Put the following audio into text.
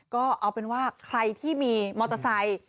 ก็เอาเป็นว่าใครที่มีมอเตอร์ไซค์